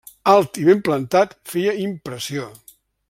Alt i ben plantat, feia impressió.